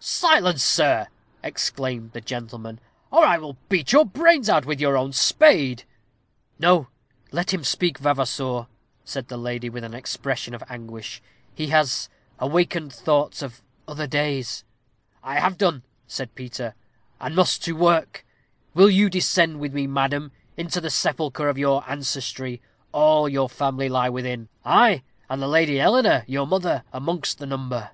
"Silence, sirrah!" exclaimed the gentleman, "or I will beat your brains out with your own spade." "No; let him speak, Vavasour," said the lady, with an expression of anguish "he has awakened thoughts of other days." "I have done," said Peter, "and must to work. Will you descend with me, madam, into the sepulchre of your ancestry? All your family lie within ay, and the Lady Eleanor, your mother, amongst the number."